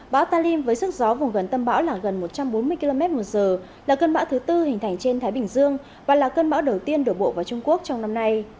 bão talim với sức gió vùng gần tâm bão là gần một trăm bốn mươi km một giờ là cơn bão thứ tư hình thành trên thái bình dương và là cơn bão đầu tiên đổ bộ vào trung quốc trong năm nay